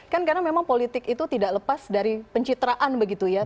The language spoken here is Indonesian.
karena memang politik itu tidak lepas dari pencitraan begitu ya